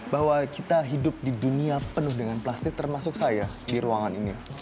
bahwa kita hidup di dunia penuh dengan plastik termasuk saya di ruangan ini